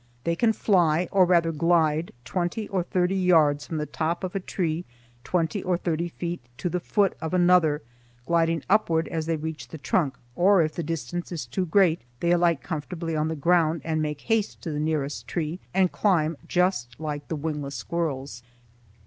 They can fly, or rather glide, twenty or thirty yards from the top of a tree twenty or thirty feet high to the foot of another, gliding upward as they reach the trunk, or if the distance is too great they alight comfortably on the ground and make haste to the nearest tree, and climb just like the wingless squirrels.